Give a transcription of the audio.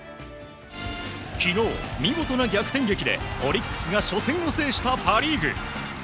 昨日、見事な逆転劇でオリックスが初戦を制したパ・リーグ。